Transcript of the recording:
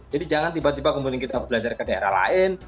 jadi jangan tiba tiba kita belajar ke daerah lain